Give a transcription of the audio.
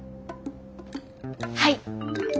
はい。